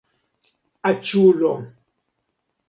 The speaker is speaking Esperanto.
aĉulo